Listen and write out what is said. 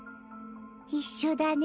一緒だね